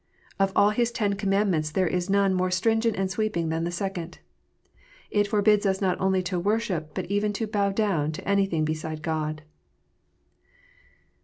Of all His Ten Commandments there is none more stringent and sweeping than the Second. It forbids us not only to worship, but even to " bow down " to anything beside God.